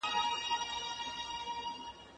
د دود وهلي